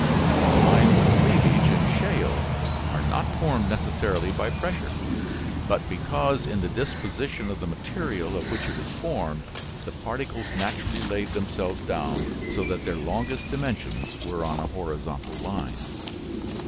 The lines of cleavage in shale are not formed necessarily by pressure, but because in the disposition of the material of which it was formed the particles naturally laid themselves down so that their longest dimensions were on a horizontal line.